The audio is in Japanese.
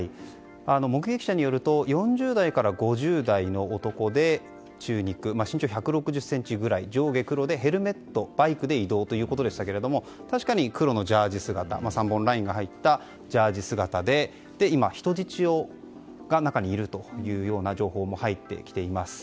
目撃者によると４０代から５０代の男で中肉、身長１６０ｃｍくらい上下黒でヘルメットバイクで移動ということですが確かに黒のジャージー姿３本ラインが入ったジャージー姿で今、人質が中にいる情報も入ってきています。